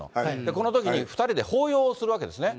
このときに２人で抱擁をするわけですよね。